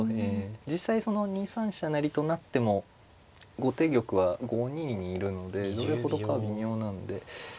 実際その２三飛車成と成っても後手玉は５二にいるのでどれほどかは微妙なんで。